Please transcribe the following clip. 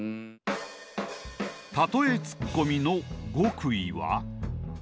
たとえツッコミの極意は？